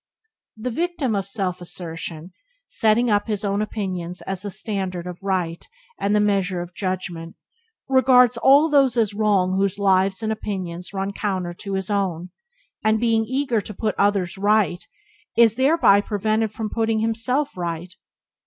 The victim of self assertion, setting up his own opinions as the standard of right and the measure of judgment, regards all those as wrong whose lives and opinions run counter to his own, and, being eager to put others right, is thereby prevented from putting himself right.